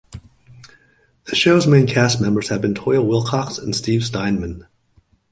The shows main cast members have been Toyah Willcox and Steve Steinman.